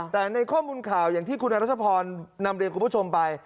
แต่ในข้อมูลข่าวอย่างที่คุณรัชพรนำเรียนคุณผู้ชมไป